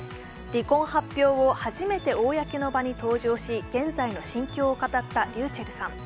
離婚発表後初めて公の場に登場し現在の心境を語ったｒｙｕｃｈｅｌｌさん。